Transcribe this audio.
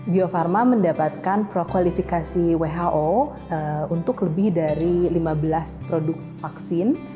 bio farma mendapatkan prokualifikasi who untuk lebih dari lima belas produk vaksin